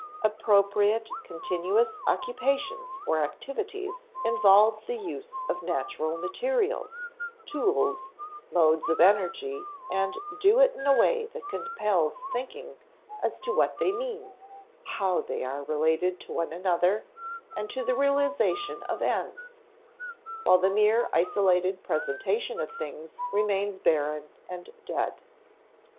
Appropriate continuous occupations or activities involve the use of natural materials, tools, modes of energy, and do it in a way that compels thinking as to what they mean, how they are related to one another and to the realization of ends; while the mere isolated presentation of things remains barren and dead.